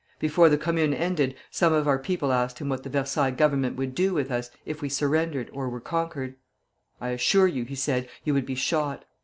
"Before the Commune ended, some of our people asked him what the Versailles Government would do with us if we surrendered or were conquered. 'I assure you,' he said, 'you would be shot.'